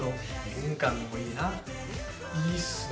いいっすね。